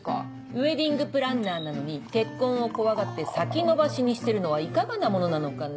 ウエディングプランナーなのに結婚を怖がって先延ばしにしてるのはいかがなものなのかな？